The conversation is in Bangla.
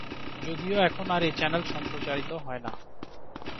যদিও এখন আর এ চ্যানেল সম্প্রচারিত হয়না।